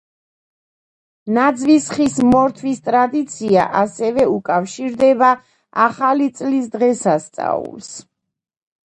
ნაძვის ხის მორთვის ტრადიცია ასევე უკავშირდება ახალი წლის დღესასწაულს.